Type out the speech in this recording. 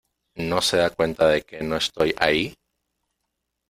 ¿ No se da cuenta de que no estoy ahí?